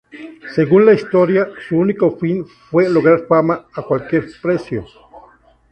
Según la historia, su único fin fue lograr fama a cualquier precio.